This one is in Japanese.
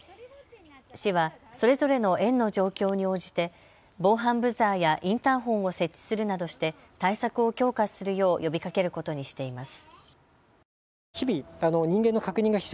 市はそれぞれの園の状況に応じて防犯ブザーやインターホンを設置するなどして対策を強化するよう呼びかけることにしています。